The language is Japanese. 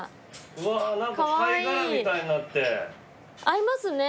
合いますね